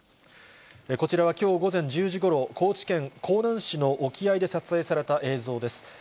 こちらはきょう午前１０時ごろ、高知県香南市の沖合で撮影された映像です。